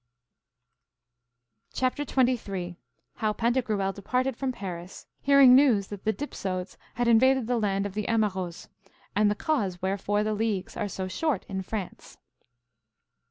Chapter 2.XXIII. How Pantagruel departed from Paris, hearing news that the Dipsodes had invaded the land of the Amaurots; and the cause wherefore the leagues are so short in France.